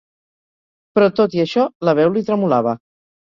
Però tot i això, la veu li tremolava.